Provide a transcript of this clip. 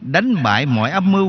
đánh bại mọi âm mưu